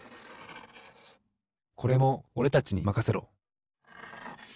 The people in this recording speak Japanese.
これもおれたちにまかせろ！